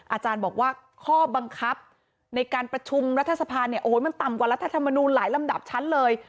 อาจารย์บอกว่าข้อบังคับในการประชุมรัฐสภาเนี่ยโอ้โหมันต่ำกว่ารัฐธรรมนูลหลายลำดับชั้นเลย